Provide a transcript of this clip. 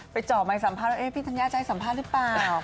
ไปจอกมันก็สัมภาษณ์ให้ติดลง